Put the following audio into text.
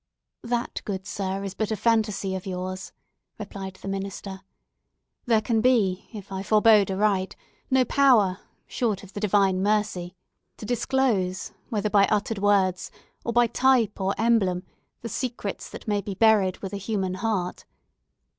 "That, good sir, is but a phantasy of yours," replied the minister. "There can be, if I forbode aright, no power, short of the Divine mercy, to disclose, whether by uttered words, or by type or emblem, the secrets that may be buried in the human heart.